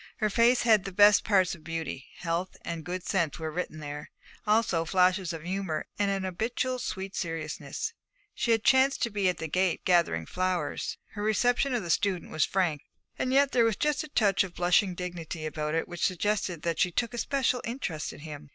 Her face had the best parts of beauty: health and good sense were written there, also flashes of humour and an habitual sweet seriousness. She had chanced to be at the gate gathering flowers. Her reception of the student was frank, and yet there was just a touch of blushing dignity about it which suggested that she took a special interest in him.